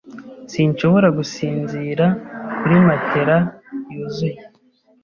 Sinshobora gusinzira kuri matelas yuzuye.